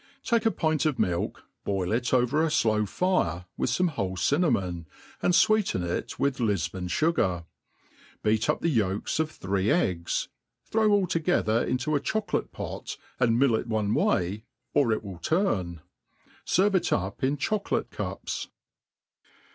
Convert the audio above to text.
TAKE a pint of milk, boil it over a flow fire, with fome whole cinnamon, and fweeten it with Lifbon fugar ; beat up the yolks of three' eggs, throw all together into a chocolate pot, and mill it one way, or it will turn. Serve it up in cho p COlate cups.